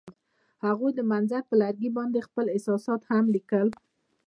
هغوی د منظر پر لرګي باندې خپل احساسات هم لیکل.